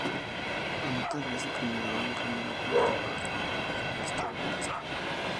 Anotaría su primer gol en primera contra el Jaguares en el Estadio Jalisco.